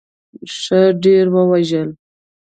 ښه ډېر وژړل.